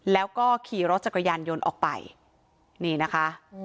แล้วก็ขี่รถจักรยานยนต์ออกไปนี่นะคะ